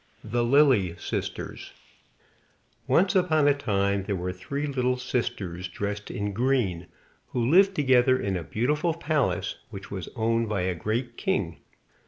The Lily Sisters Once upon a time there were three little sisters dressed in green, who lived together in a beautiful palace which was owned by a Great King.